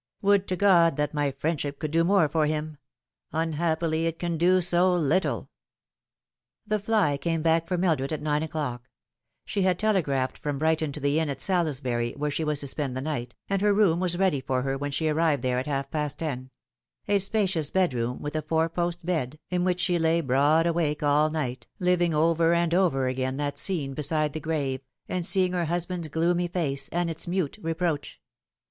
" Would to God that my friendship could do more for him ! Unhappily it can do so little." The fly came back for Mildred at nine o'clock. She had telegraphed from Brighton to the inn at Salisbury where she was to spend the night, and her room was ready for her when she arrived there at half past ten : a spacious bedroom, with a four post bed, in which she lay broad awake all night, living How should I Greet Thee ? 817 over and over again that scene beside the grave, and seeing her husband's gloomy face, and its mute reproach.